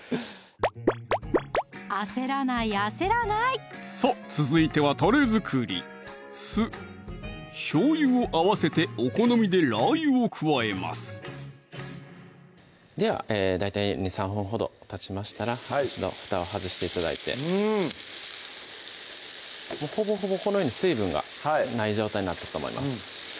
焦らない焦らないさぁ続いてはタレ作り酢・しょうゆを合わせてお好みでラー油を加えますでは大体２３分ほどたちましたら一度ふたを外して頂いてうんほぼこのように水分がない状態になったと思います